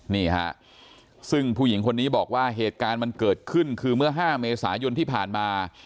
นี่ฮะซึ่งผู้หญิงคนนี้บอกว่าเหตุการณ์มันเกิดขึ้นคือเมื่อ๕เมษายนที่ผ่านมา